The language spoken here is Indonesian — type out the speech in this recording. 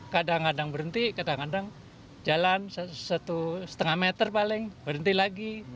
kadang kadang berhenti kadang kadang jalan satu lima meter paling berhenti lagi